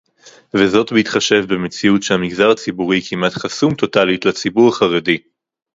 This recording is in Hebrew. וזאת בהתחשב במציאות שהמגזר הציבורי כמעט חסום טוטלית לציבור החרדי